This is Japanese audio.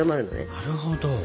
なるほど。